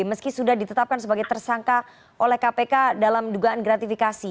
meski sudah ditetapkan sebagai tersangka oleh kpk dalam dugaan gratifikasi